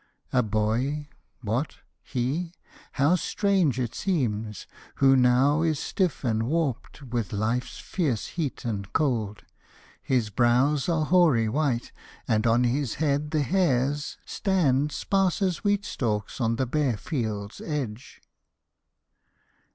A boy! What, he? How strange it seems! who now is stiff And warped with life's fierce heat and cold: his brows Are hoary white, and on his head the hairs Stand sparse as wheat stalks on the bare field's edge!